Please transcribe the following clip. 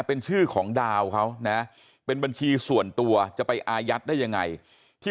เป็นชื่อของดาวเขานะเป็นบัญชีส่วนตัวจะไปอายัดได้ยังไงที่